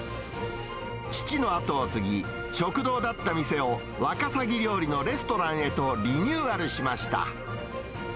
父の後を継ぎ、食堂だった店をワカサギ料理のレストランへとリニューアルしました。